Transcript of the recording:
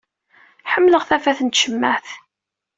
Ḥemmleɣ tafat n tcemmaɛt.